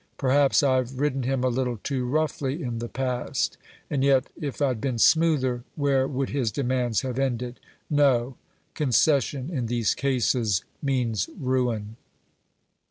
Perhaps I've ridden him a little too roughly in the past. And yet if I'd been smoother, where would his demands have ended? No; concession in these cases means ruin."